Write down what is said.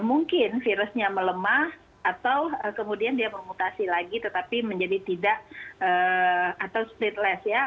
mungkin virusnya melemah atau kemudian dia bermutasi lagi tetapi menjadi tidak atau speedless ya